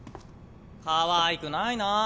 かわいくないなぁ。